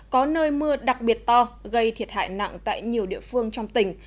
có nơi mưa đặc biệt to gây thiệt hại nặng tại nhiều địa phương trong tỉnh